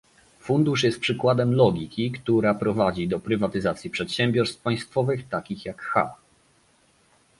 Fundusz jest przykładem logiki, która prowadzi do prywatyzacji przedsiębiorstw państwowych takich jak H